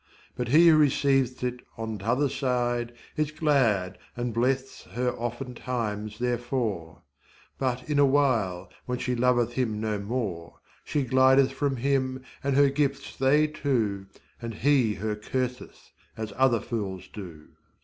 But he who receiv'th it on t'other side Is glad and bless'th her oftentimes therefore. But in a while, when she lov'th him no more, She glideth from him, and her gifts they too, And he her curseth as other fools do.